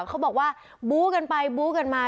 เขาบอกว่าบู้กันไปบู้กันมา